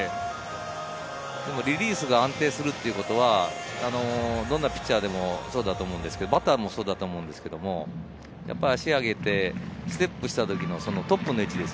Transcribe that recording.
リリースが安定するということは、どんなピッチャーでもそうだと思うんですけど、バッターもそうですが、足を上げてステップした時のトップの位置です。